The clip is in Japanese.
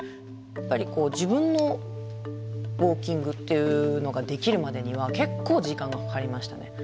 やっぱりこう自分のウォーキングっていうのができるまでには結構時間がかかりましたね。